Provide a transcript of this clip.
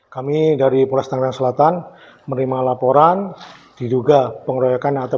kami dari pulau setengah selatan menerima laporan diduga pengurangan atau